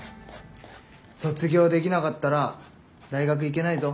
卒業できなかったら大学行けないぞ。